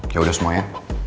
ya udah semuanya